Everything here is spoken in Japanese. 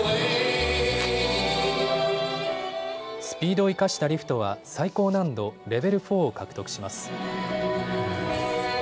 スピードを生かしたリフトは最高難度、レベルフォーを獲得します。